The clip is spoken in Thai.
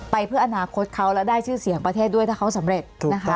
เพื่ออนาคตเขาและได้ชื่อเสียงประเทศด้วยถ้าเขาสำเร็จนะคะ